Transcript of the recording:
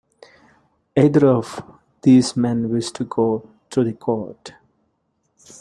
Either of these men wish to go through the court?